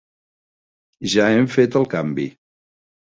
Ja hem fet el canvi.